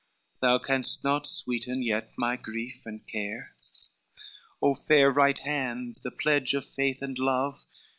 Thou canst not sweeten yet my grief and care: LXXXII "O fair right hand, the pledge of faith and love?